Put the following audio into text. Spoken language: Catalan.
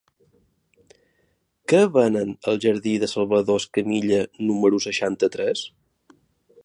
Què venen al jardí de Salvador Escamilla número seixanta-tres?